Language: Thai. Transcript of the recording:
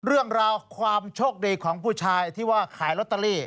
เรื่องราวความโชคดีของผู้ชายที่ว่าขายลอตเตอรี่